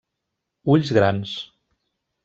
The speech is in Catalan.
Ulls grans.